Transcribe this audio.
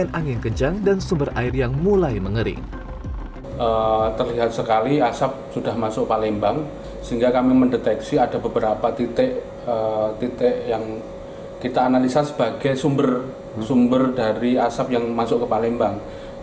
terlihat sekali asap sudah masuk palembang sehingga kami mendeteksi ada beberapa titik yang kita analisa sebagai sumber dari asap yang masuk ke palembang